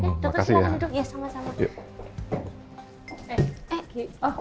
dokter silakan duduk